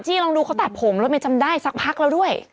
จี้ลองดูเขาตัดผมแล้วไม่จำได้สักพักแล้วด้วย